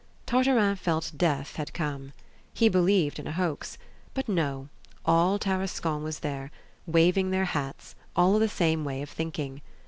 Tartarin felt death had come: he believed in a hoax. But, no! all Tarascon was there, waving their hats, all of the same way of thinking.